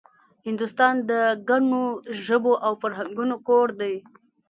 هندوستان د ګڼو ژبو او فرهنګونو کور دی